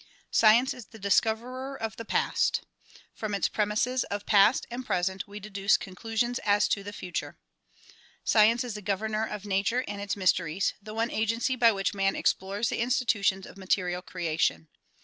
Science is the discoverer of the past. From its premises of past and present we deduce conclusions as to the future. Science is the governor of nature and its mys teries, the one agency by which man explores the institutions of material creation.